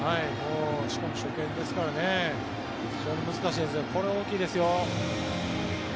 しかも初見ですからね非常に難しいですがこれは大きいですよ。